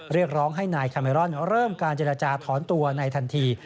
เรียกร้องให้นายคาเมรอนเริ่มการเจรจาถอนตัวในทันที